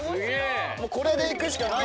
これでいくしかない。